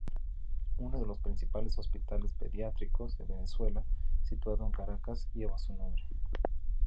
Uno de los principales hospitales pediátricos de Venezuela, situado en Caracas, lleva su nombre.